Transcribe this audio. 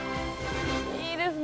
いいですね。